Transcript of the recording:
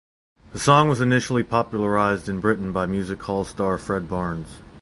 The song was initially popularised in Britain by music hall star Fred Barnes.